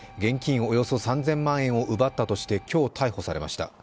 およそ３０００万円を奪ったとして今日逮捕されました。